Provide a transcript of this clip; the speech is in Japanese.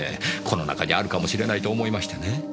この中にあるかもしれないと思いましてね。